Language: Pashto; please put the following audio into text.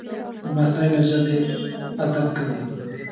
لمسی له ژبې ادب کوي.